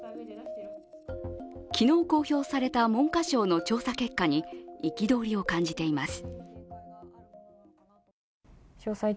昨日公表された文科省の調査結果に憤りを感じています。